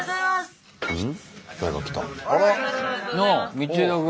道枝君。